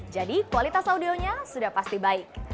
jadi kualitas audionya sudah pasti baik